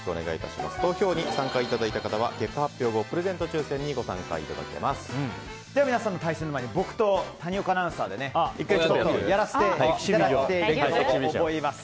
投票に参加いただいた方は結果発表後プレゼント抽選に皆さんの対戦の前に僕と谷岡アナウンサーでやらせていただきます。